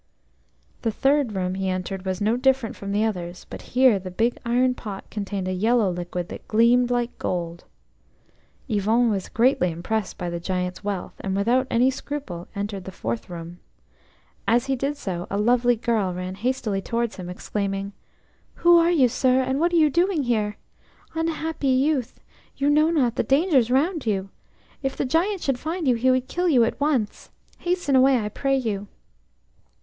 The third room he entered was no different from the others, but here the big iron pot contained a yellow liquid that gleamed like gold. Yvon was greatly impressed by the Giant's wealth, and without any scruple entered the fourth room. As he did so, a lovely girl ran hastily towards him, exclaiming: "Who are you, sir, and what are you doing here? Unhappy youth! You know not the dangers round you. If the Giant should find you he would kill you at once. Hasten away, I pray you."